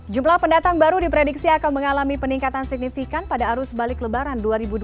jumlah pendatang baru diprediksi akan mengalami peningkatan signifikan pada arus balik lebaran dua ribu dua puluh